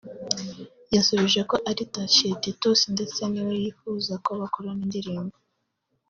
yasubije ko ari Thacien Titus ndetse ni we yifuza ko bakorana indirimbo